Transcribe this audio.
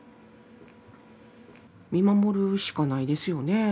見守るしかないですよね。